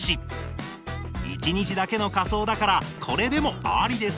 １日だけの仮装だからこれでもアリですよね？